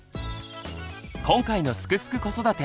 今回の「すくすく子育て」